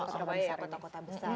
surabaya ya kota kota besar